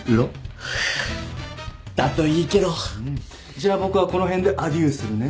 じゃあ僕はこの辺でアデューするね。